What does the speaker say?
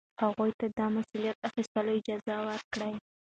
هغوی ته د مسؤلیت اخیستلو اجازه ورکړئ.